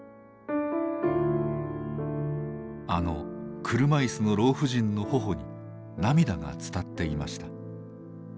あの車椅子の老婦人の頬に涙が伝っていました。